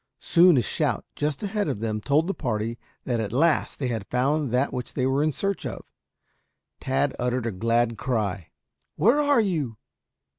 Soon a shout just ahead of them told the party that at last they had found that which they were in search of. Tad uttered a glad cry. "Where are you?"